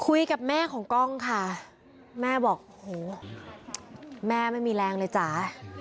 คุยกับแม่ของกล้องค่ะแม่บอกโหแม่ไม่มีแรงเลยจ๋า